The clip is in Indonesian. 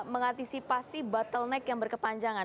mengantisipasi bottleneck yang berkepanjangan